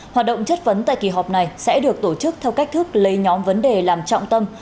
hoạt động chất vấn tại kỳ họp này sẽ được tổ chức theo cách thức lấy nhóm vấn đề làm trọng tâm